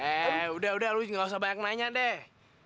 eh udah udah lu gak usah banyak nanya deh